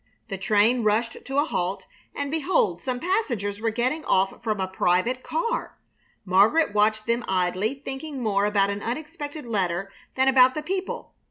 The train rushed to a halt, and behold some passengers were getting off from a private car! Margaret watched them idly, thinking more about an expected letter than about the people.